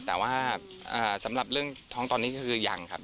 แต่ว่าสำหรับเรื่องท้องตอนนี้ก็คือยังครับ